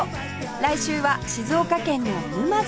来週は静岡県の沼津